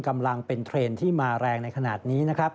กำลังเป็นเทรนด์ที่มาแรงในขณะนี้นะครับ